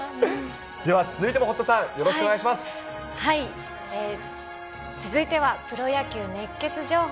では、続いても堀田さん、よろし続いては、プロ野球熱ケツ情報。